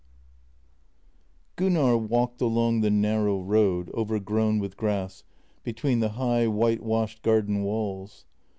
XI G UNNAR walked along the narrow road, overgrown with grass, between the high, whitewashed garden walls.